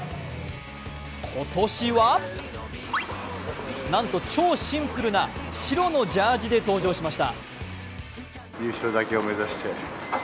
今年は、なんと超シンプルな白のジャージーで登場しました。